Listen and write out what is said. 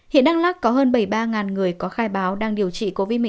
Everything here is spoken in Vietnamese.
hiện đắk lắc có hơn bảy mươi ba người có khai báo đang điều trị covid một mươi chín